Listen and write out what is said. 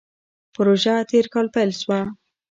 پروژه تېر کال پیل شوه.